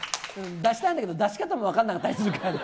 出したいんだけど、出し方も分かんなかったりするから。